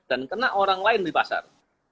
dan kena orang lain di pasar